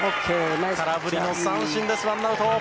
空振り三振でワンアウト。